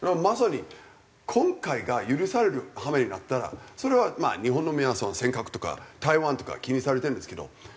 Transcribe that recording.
まさに今回が許される羽目になったらそれはまあ日本の皆さんは尖閣とか台湾とか気にされてるんですけど。